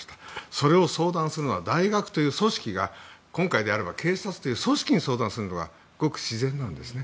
それを相談するのは大学という組織が今回であれば警察という組織に相談するのがごく自然なんですね。